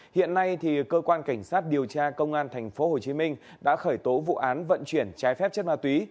hiện nay cơ quan cảnh sát điều tra công an tp hcm đã khởi tố vụ án vận chuyển trái phép chất ma túy